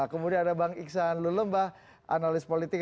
kemudian ada bang iksan lulembah analis politik